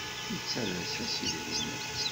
Yettalas-as idrimen.